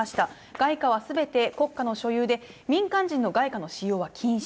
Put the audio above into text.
外貨はすべて国家の所有で、民間人の外貨の使用は禁止。